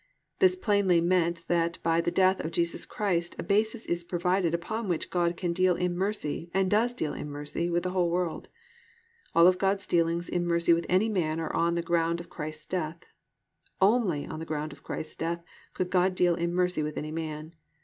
"+ This plainly means that _by the death of Jesus Christ a basis is provided upon which God can deal in mercy and does deal in mercy with the whole world_. All of God's dealings in mercy with any man are on the ground of Christ's death. Only on the ground of Christ's death could God deal in mercy with any man.